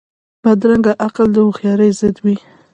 بدرنګه عقل د هوښیارۍ ضد وي